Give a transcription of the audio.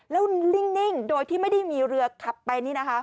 แล้วลิ่งโดยที่ไม่ได้มีเรือขับไป